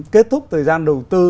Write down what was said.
kết thúc thời gian đầu tư